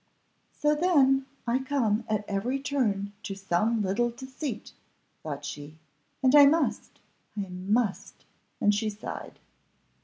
"So then, I come at every turn to some little deceit," thought she, "and I must, I must!" and she sighed.